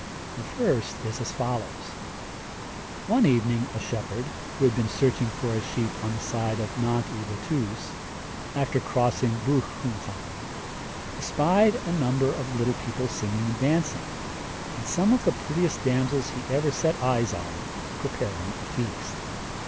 The first is as follows: One evening a shepherd, who had been searching for his sheep on the side of Nant y Bettws, after crossing Bwlch Cwm Llan, espied a number of little people singing and dancing, and some of the prettiest damsels he ever set eyes on preparing a feast.